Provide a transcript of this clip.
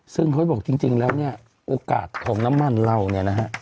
ซึ่งเขาบอกจริงแล้วเนี่ยโอกาสของน้ำมันเราเนี่ยนะฮะ